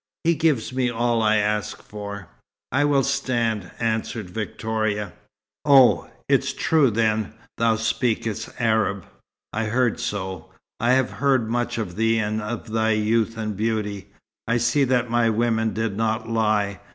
He gives me all I ask for." "I will stand," answered Victoria. "Oh, it is true, then, thou speakest Arab! I had heard so. I have heard much of thee and of thy youth and beauty. I see that my women did not lie.